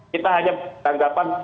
kita hanya beranggapan